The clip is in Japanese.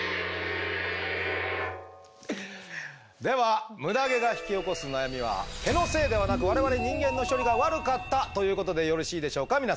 ではムダ毛が引き起こす悩みは毛のせいではなく我々人間の処理が悪かったということでよろしいでしょうか？